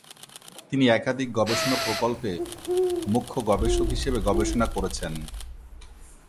তিনি একাধিক গবেষণা প্রকল্পে মুখ্য গবেষক হিসেবে গবেষণা করেছেন।